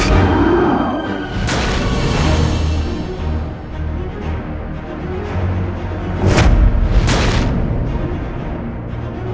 saya akan keluar